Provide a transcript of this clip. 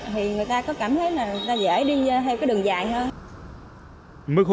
thì người ta có cảm thấy là người ta dễ đi theo cái đường dài hơn